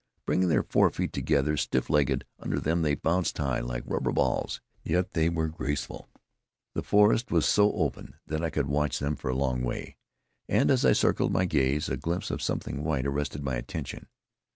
Bringing their forefeet together, stiff legged under them, they bounced high, like rubber balls, yet they were graceful. The forest was so open that I could watch them for a long way; and as I circled with my gaze, a glimpse of something white arrested my attention.